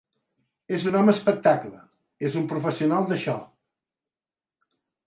És un home espectacle, és un professional d’això.